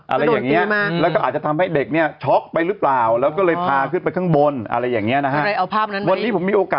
อ่าวและก็อาจจะทำให้เด็กเนี่ยช็อกไปหรือเปล่าแล้วก็เลยพาขึ้นไปข้างบนอะไรอย่างเงี้ยนะฮะ